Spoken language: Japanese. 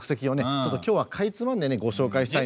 ちょっと今日はかいつまんでねご紹介したいと。